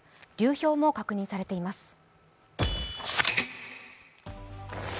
流氷も確認されています。